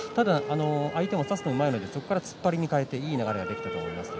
相手を差すのがうまいのでそこから突っ張りに変えていい流れが出た。